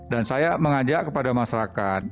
dan saya mengajak kepada masyarakat